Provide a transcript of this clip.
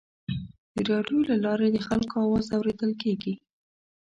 د راډیو له لارې د خلکو اواز اورېدل کېږي.